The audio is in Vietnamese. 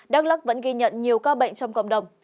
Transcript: đắk lắc vẫn ghi nhận nhiều ca bệnh trong cộng đồng